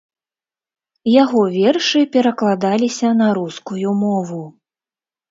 Яго вершы перакладаліся на рускую мову.